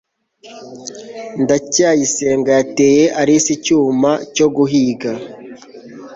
ndacyayisenga yateye alice icyuma cyo guhiga